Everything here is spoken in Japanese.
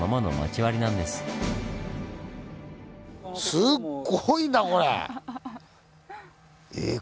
すっごいなこれ！